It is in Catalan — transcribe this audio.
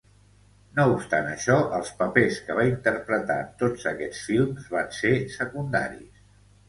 No obstant això, els papers que va interpretar en tots aquests films van ser secundaris.